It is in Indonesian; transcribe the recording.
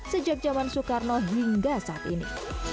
sejak zaman soekarno hingga saat ini